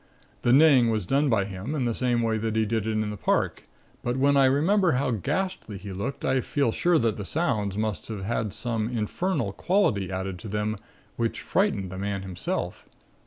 The neighing was done by him in the same way that he did it in the park; but when I remember how ghastly he looked I feel sure that the sounds must have had some infernal quality added to them which frightened the man himself.